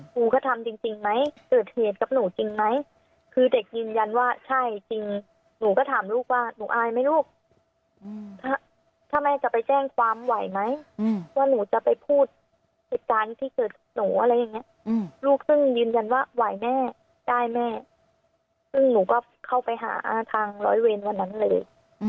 ครูก็ทำจริงไหมเกิดเหตุกับหนูจริงไหมคือเด็กยืนยันว่าใช่จริงหนูก็ถามลูกว่าหนูอายไหมลูกถ้าแม่จะไปแจ้งความไหวไหมว่าหนูจะไปพูดเหตุการณ์ที่เกิดหนูอะไรอย่างเงี้ยลูกซึ่งยืนยันว่าไหวแม่ได้แม่ซึ่งหนูก็เข้าไปหาทางร้อยเวรวันนั้นเลย